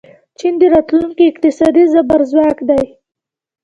چین د راتلونکي اقتصادي زبرځواک دی.